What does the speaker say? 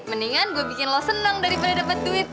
mendingan gue bikin lo seneng daripada dapat duit